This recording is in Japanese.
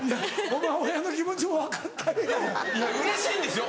お前親の気持ちも分かったれよ。